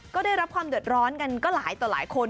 ก็ได้รับความเดือดร้อนกันก็หลายต่อหลายคน